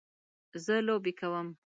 زه لوبې کوم